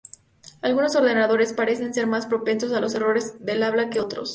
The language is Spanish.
Algunos oradores parecen ser más propensos a los errores del habla que otros.